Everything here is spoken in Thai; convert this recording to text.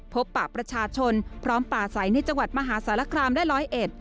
ปะประชาชนพร้อมป่าใสในจังหวัดมหาสารคามได้ร้อยเอ็ด